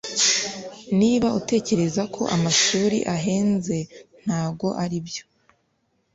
niba utekereza ko amashuri ahenze ntago aribyo